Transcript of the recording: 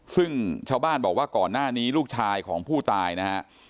ซึ่งชาวบ้านบอกว่าก่อนหน้านี้ลูกชายของผู้ตายนะฮะ